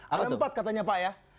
ada empat katanya pak ya